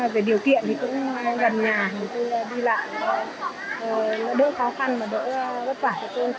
về điều kiện thì cũng gần nhà đi lại đỡ khó khăn và đỡ vất vả